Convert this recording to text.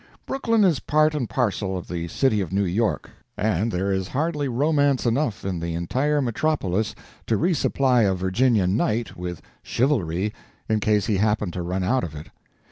Brooklyn is part and parcel of the city of New York, and there is hardly romance enough in the entire metropolis to re supply a Virginia "knight" with "chivalry," in case he happened to run out of it.